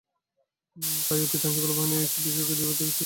তাই অতীতে আইনশৃঙ্খলা বাহিনী এসব বিষয়কে যেভাবে দেখেছে, এখনো একইভাবে দেখবে।